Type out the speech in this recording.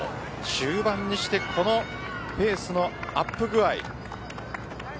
終盤にしてこのペースアップ具合です。